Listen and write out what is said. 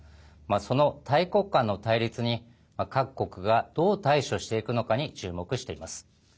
その大国間の対立に各国がどう対処していくのかに注目しています。